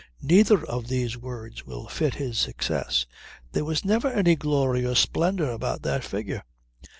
Neither of these words will fit his success. There was never any glory or splendour about that figure.